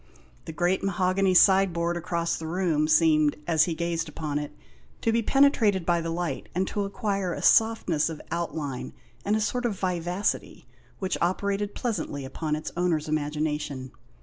The great mahogany side board across the room, seemed, as he gazed upon it, to be penetrated by the light, and to acquire a softness of outline, and a sort of vivacity, which operated pleasantly upon its owner's imagination.